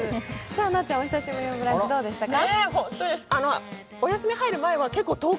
なっちゃん、お久しぶりの「ブランチ」どうでしたか？